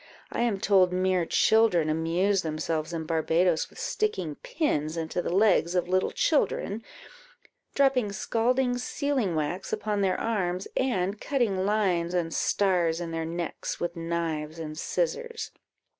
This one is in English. I am told, mere children amuse themselves in Barbadoes with sticking pins into the legs of little children, dropping scalding sealing wax upon their arms, and cutting lines and stars in their necks with knives and scissors."